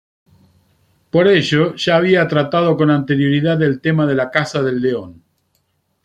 Por ello, ya había tratado con anterioridad el tema de la caza del león.